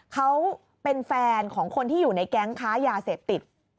เขาเป็นแฟนของคนที่อยู่ในแก๊งค้ายาเสพติด